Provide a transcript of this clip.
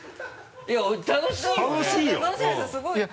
いや楽しいよね？